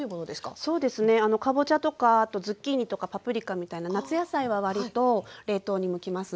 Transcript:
そうですねかぼちゃとかズッキーニとかパプリカみたいな夏野菜はわりと冷凍に向きますね。